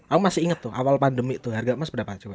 aku masih inget tuh awal pandemi itu harga emas berapa coba